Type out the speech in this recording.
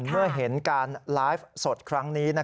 เมื่อเห็นการไลฟ์สดครั้งนี้